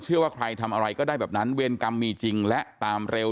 ว่าใครทำอะไรก็ได้แบบนั้นเวรกรรมมีจริงและตามเร็ว